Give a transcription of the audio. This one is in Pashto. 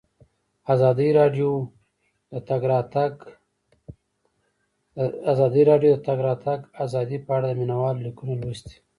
ازادي راډیو د د تګ راتګ ازادي په اړه د مینه والو لیکونه لوستي.